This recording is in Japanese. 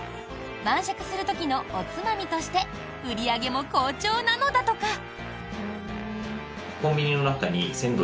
晩酌する時のおつまみとして売り上げも好調なのだとか。